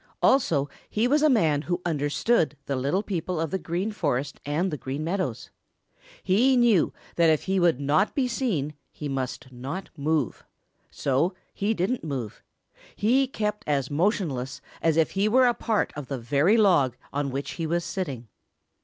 Also he was a man who understood the little people of the Green Forest and the Green Meadows. He knew that if he would not be seen he must not move. So he didn't move. He kept as motionless as if he were a part of the very log on which he was sitting.